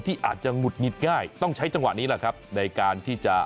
อาจจะหงุดหงิดง่ายต้องใช้จังหวะนี้แหละครับในการที่จะ